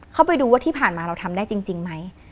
เข้าไปดูว่าที่ผ่านมาเราทำได้จริงไหม